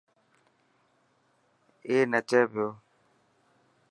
اي نچي پيو.